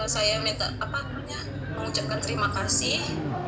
saya mengucapkan terima kasih